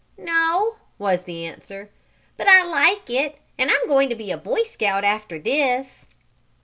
"No," was the answer. "But I like it, and I'm going to be a Boy Scout after this."